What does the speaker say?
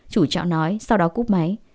chú trọ nói sau đó cúp máy